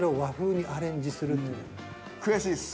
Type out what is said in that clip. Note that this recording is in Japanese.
悔しいっす。